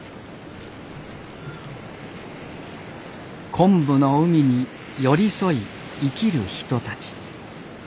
昆布の海に寄り添い生きる人たち。